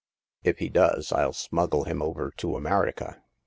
If he does, rU smuggle him over to America.